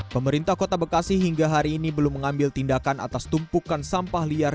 pemerintah kota bekasi hingga hari ini belum mengambil tindakan atas tumpukan sampah liar